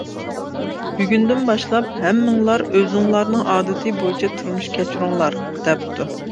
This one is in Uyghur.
بۈگۈندىن باشلاپ، ھەممىڭلار ئۆزۈڭلارنىڭ ئادىتى بويىچە تۇرمۇش كەچۈرۈڭلار! دەپتۇ.